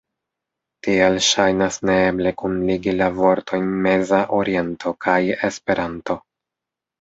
Tial ŝajnas neeble kunligi la vortojn “Meza Oriento” kaj “Esperanto”.